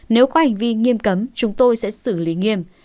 nếu có hành vi nghiêm cấm chúng tôi sẽ xử lý nghiêm